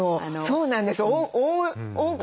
そうなんです。